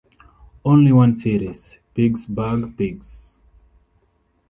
Only one series, Piggsburg Pigs!